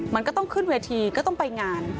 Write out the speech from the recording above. มันก็ต้องขึ้นเวทีก็ต้องไปงาน